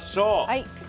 はい。